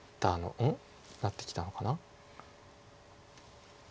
なってきたのかな？